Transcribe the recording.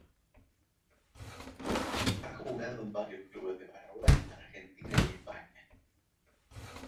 Ha jugado en varios clubes de Paraguay, Argentina y España.